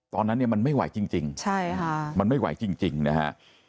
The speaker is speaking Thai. ตอนนั้นเนี่ยมันไม่ไหวจริงใช่ค่ะมันไม่ไหวจริงนะฮะ